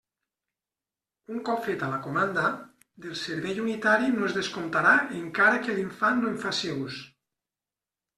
Un cop feta la comanda, del servei unitari no es descomptarà encara que l'infant no en faci ús.